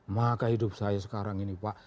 maka hidup saya sekarang ini pak